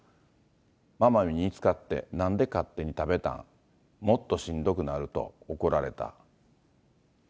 ママに見つかって、なんで勝手に食べたん、もっとしんどくなると怒られた。